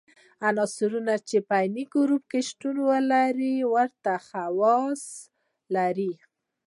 عنصرونه چې په عین ګروپ کې شتون ولري ورته خواص لري.